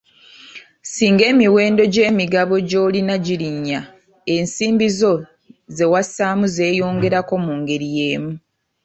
Singa emiwendo gy'emigabo gy'olina girinnya, ensimbi zo ze wassaamu zeeyongerako mu ngeri y'emu.